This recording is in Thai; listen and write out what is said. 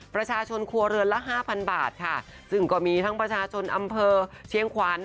ประชาชนครัวเรือนละห้าพันบาทค่ะซึ่งก็มีทั้งประชาชนอำเภอเชียงขวาน